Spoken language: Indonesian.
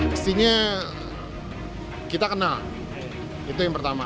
pastinya kita kenal itu yang pertama